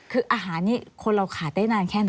คืออาหารนี้คนเราขาดได้นานแค่ไหน